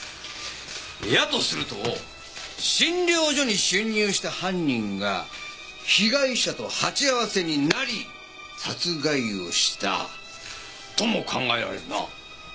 やとすると診療所に侵入した犯人が被害者と鉢合わせになり殺害をしたとも考えられるな。